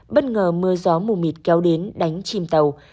bất ngờ mưa gió mù mịt kéo đến đánh chìm tàu